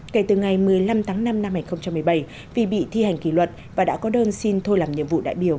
kể từ ngày một mươi năm tháng năm năm hai nghìn một mươi bảy vì bị thi hành kỷ luật và đã có đơn xin thôi làm nhiệm vụ đại biểu